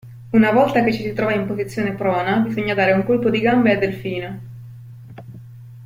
Una volta che ci si trova in posizione prona bisogna dare un colpo di gambe a delfino.